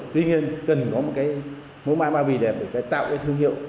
tuy nhiên cần có một mẫu mã bào bì đẹp để tạo thương hiệu